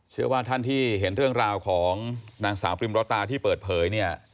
เชื่อว่าท่านที่เห็นเรื่องราวของนางสาวปริมรตาที่เปิดเผยเนี่ย